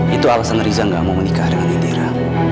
itu alasan riza nggak mau menikah dengan indira